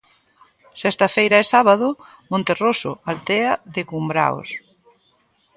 Sexta feira e sábado. Monterroso, aldea de Cumbraos.